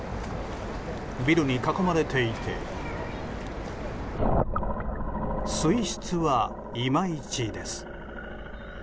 ビルに囲まれていて水質は、いまいちです。